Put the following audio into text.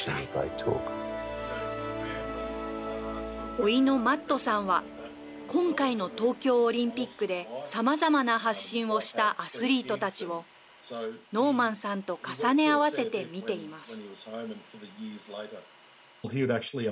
おいのマットさんは今回の東京オリンピックでさまざまな発信をしたアスリートたちをノーマンさんと重ね合わせて見ています。